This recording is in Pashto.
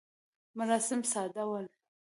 مراسم ساده ول.